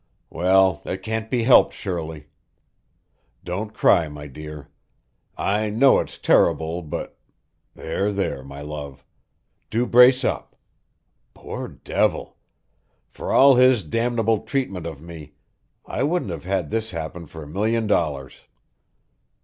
Well, it can't be helped, Shirley. Don't cry, my dear. I know it's terrible, but there, there my love. Do brace up. Poor devil! For all his damnable treatment of me, I wouldn't have had this happen for a million dollars."